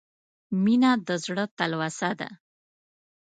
• مینه د زړه تلوسه ده.